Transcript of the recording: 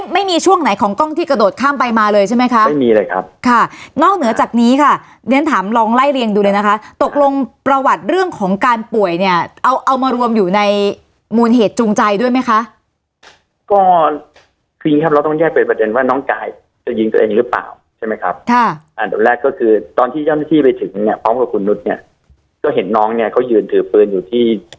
ไม่มีช่วงไหนของกล้องที่กระโดดข้ามไปมาเลยใช่ไหมครับไม่มีเลยครับค่ะนอกเหนือจากนี้ค่ะดังนั้นถามลองไล่เรียงดูเลยนะคะตกลงประวัติเรื่องของการป่วยเนี้ยเอาเอามารวมอยู่ในมูลเหตุจูงใจด้วยไหมคะก็คืออย่างงี้ครับเราต้องแยกเป็นประเด็นว่าน้องกายจะยิงตัวเองหรือเปล่าใช่ไหมครับค่ะอ่าตอนแรกก็คือตอนที่เจ้าหน้าท